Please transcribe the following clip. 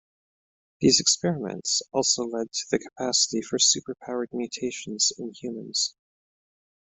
These experiments also led to the capacity for super-powered mutations in humans.